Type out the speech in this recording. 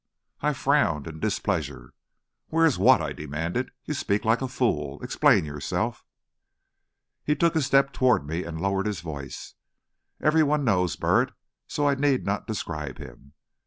I frowned in displeasure. "Where is what?" I demanded. "You speak like a fool. Explain yourself." He took a step toward me and lowered his voice. Every one knows Burritt, so I need not describe him.